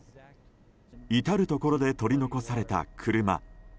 至るところで取り残された車。